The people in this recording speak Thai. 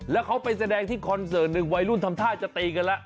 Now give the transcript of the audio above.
แล้วเขาไปแสดงที่คอนเสิร์ตหนึ่งวัยรุ่นทำท่าจะตีกันแล้ว